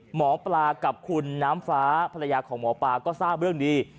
หมอปลากับคุณน้ำฟ้าภรรยาของหมอปลาก็ทราบเรื่องดี